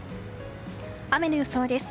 雨の予想です。